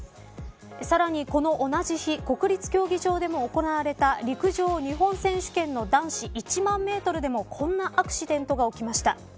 さらにこの同じ日国立競技場でも行われた陸上日本選手権の男子１万メートルでもこんなアクシデントが起きました。